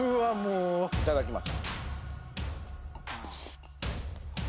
いただきます。